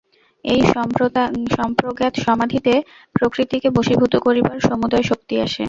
এই সম্প্রজ্ঞাত সমাধিতে প্রকৃতিকে বশীভূত করিবার সমুদয় শক্তি আসে।